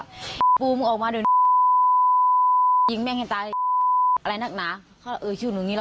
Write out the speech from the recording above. ไอ้ปูมึงออกมาเดี๋ยวนี้